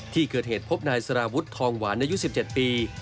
ที่เกิดเหตุพบนายสารวุฒิทองหวานอายุ๑๗ปี